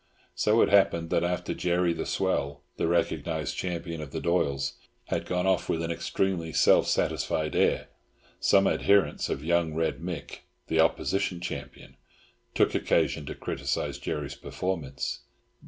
So it happened that after Jerry the Swell, the recognised champion of the Doyles, had gone off with an extremely self satisfied air, some adherents of young Red Mick, the opposition champion, took occasion to criticise Jerry's performance.